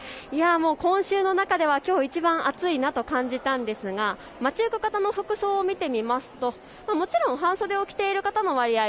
今週の中ではきょういちばん暑いなと感じたんですが街行く方の服装を見てみますと、もちろん半袖を着ている方の割合